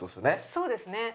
そうですね。